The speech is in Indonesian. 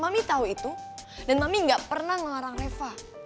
mami tahu itu dan mami gak pernah ngelarang reva